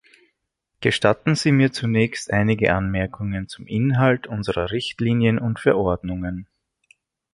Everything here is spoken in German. Gestatten Sie mir zunächst einige Anmerkungen zum Inhalt unserer Richtlinien und Verordnungen.